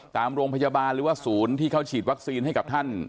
ตามโรงพยาบาลหรือว่าศูนย์ที่เขาฉีดวัคซีนให้กับท่าน